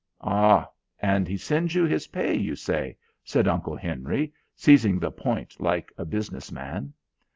"Ah! and he sends you his pay, you say?" said Uncle Henry, seizing the point like a business man.